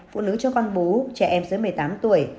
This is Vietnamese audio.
phụ nữ cho con bú trẻ em dưới một mươi tám tuổi